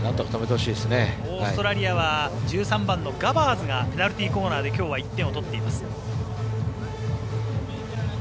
オーストラリアは１３番のガバーズがペナルティーコーナーできょうは１点を取っています。